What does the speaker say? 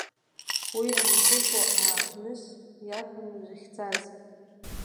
Уи анбыкәу, ааԥныс иарбан узыхьӡаз?